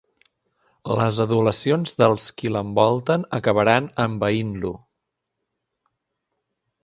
Les adulacions dels qui l'envolten acabaran envanint-lo.